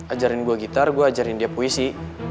ajarin gue gitar gue ajarin dia puisi